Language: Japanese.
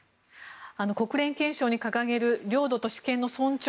国連憲章に掲げる領土と主権の尊重。